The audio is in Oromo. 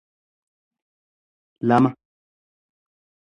lama